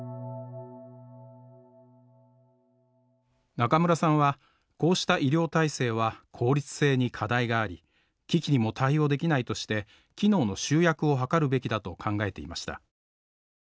中村さんはこうした医療体制は効率性に課題があり危機にも対応できないとして機能の集約を図るべきだと考えていました。